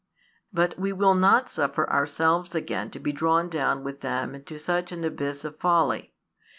But we will not suffer ourselves again to be drawn down with them into such an abyss of folly.